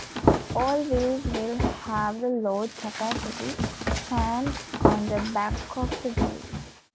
All wheels will have the load capacity stamped on the back of the wheel.